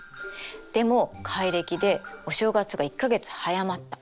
でも改暦でお正月が１か月早まった。